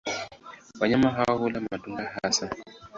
Wanyama hao hula matunda hasa.